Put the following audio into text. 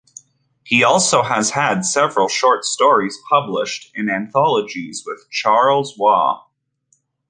He also has had several short stories published in anthologies with Charles Waugh.